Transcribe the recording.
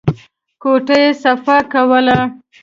کوټه يې صفا کوله.